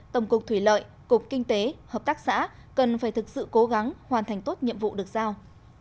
tổng cục thủy lợi cục kinh tế hợp tác xã cần phải thực sự cố gắng hoàn thành tốt nhiệm vụ được giao